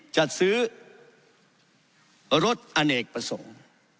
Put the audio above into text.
จัดซื้อรถอเนกประสงค์